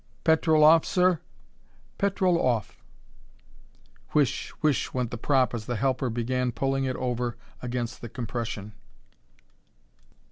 "Petrol off, sir?" "Petrol off." Whish! Whish! went the prop as the helper began pulling it over against compression.